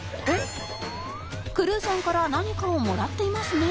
クルーさんから何かをもらっていますね